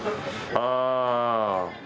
ああ。